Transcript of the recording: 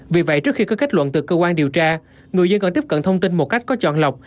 vì vậy trước khi có kết luận từ cơ quan điều tra người dân còn tiếp cận thông tin một cách có chọn lọc